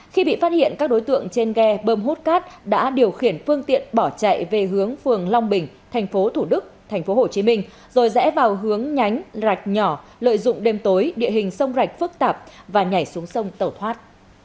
khi bị phát hiện các đối tượng trên ghe bơm hút cát đã điều khiển phương tiện bỏ chạy về hướng phường long bình thành phố thủ đức thành phố hồ chí minh rồi rẽ vào hướng nhánh rạch nhỏ lợi dụng đêm tối địa hình sông rạch phức tạp và nhảy xuống sông tẩu thoát